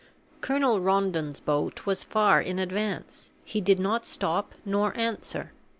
Colonel Rondon's boat was far in advance; he did not stop nor answer.